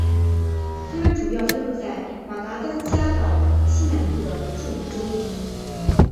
它们主要分布在马达加斯加岛西南部的树林中。